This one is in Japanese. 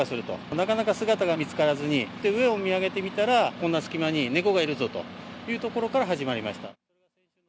なかなか姿が見つからずに、上を見上げてみたら、こんな隙間に猫がいるぞというところから始まりました。